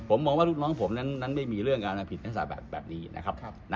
ผมมองว่าลูกน้องผมนั้นได้มีเรื่องการทำผิดลักษณะแบบนี้นะครับ